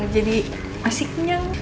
jadi masih kenyang